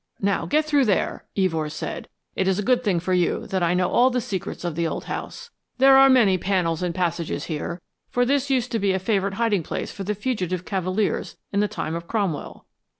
"Now get through there," Evors said. "It is a good thing for you that I know all the secrets of the old house. There are many panels and passages here, for this used to be a favorite hiding place for the fugitive cavaliers in the time of Cromwell."